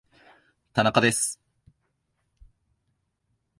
田中です